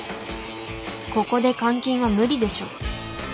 ここで監禁は無理でしょ。